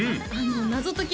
謎解き